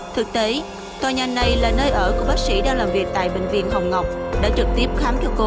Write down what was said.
thực tế tòa nhà này là nơi ở của bác sĩ đang làm việc tại bệnh viện hồng ngọc đã trực tiếp khám cho cô